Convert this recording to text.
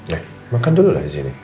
ya makan dulu lah disini